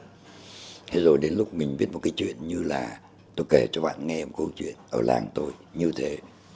thế rồi đến lúc mình biết một cái chuyện như là tôi kể cho bạn nghe một câu chuyện ở làng tôi như thế